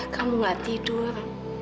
kamu gak tidur